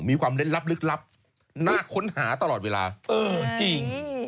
มีความลึกลับน่าค้นหาตลอดเวลาจริง